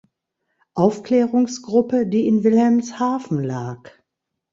Aufklärungsgruppe, die in Wilhelmshaven lag.